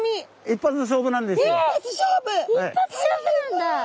一発勝負なんだ！